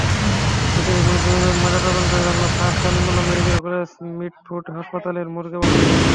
মৃতদেহটি ময়নাতদন্তের জন্য sir Salimullah medical college Mitford হাসপাতালের মর্গে পাঠানো হয়েছে।